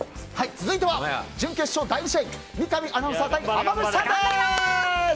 続いては準決勝第２試合三上アナウンサー対濱口さんです。